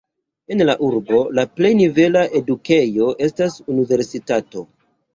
En la urbo la plej nivela edukejo estas universitato.